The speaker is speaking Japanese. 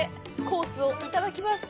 コースをいただきます！